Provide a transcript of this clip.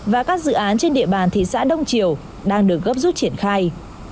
và các dự án trên địa bàn thị xã đông triều đang được gấp rút triển khai